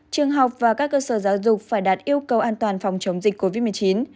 trường học và các cơ sở giáo dục phải đạt yêu cầu an toàn phòng chống dịch covid một mươi chín